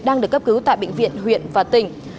đang được cấp cứu tại bệnh viện huyện và tỉnh